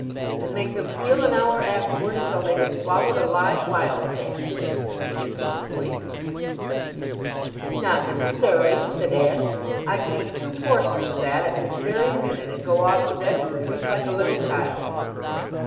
'" "And make them feel an hour afterward as though they had swallowed a live wild cat," said Mr. Peters ruefully. "Not necessarily," said Ashe. "I could eat two portions of that at this very minute and go off to bed and sleep like a little child."